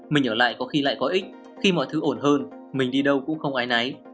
mình ở lại có khi lại có ích khi mọi thứ ổn hơn mình đi đâu cũng không ai náy